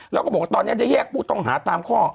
แล้วก็บอกว่าตอนนี้ได้แยกผู้ต้องหาตามข้อ